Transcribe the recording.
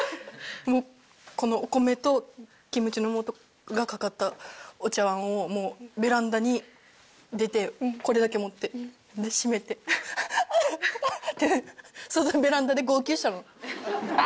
もうこのお米とキムチの素がかかったお茶碗をベランダに出てこれだけ持ってで閉めて「ああっ」ってそのままベランダで号泣したの。